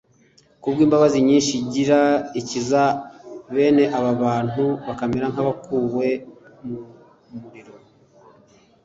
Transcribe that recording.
kubwo imbabazi nyinshi igira, ikiza bene aba bantu bakamera nk'abakuwe mu muriro